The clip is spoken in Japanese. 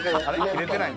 切れてない。